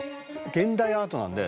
「現代アートなので」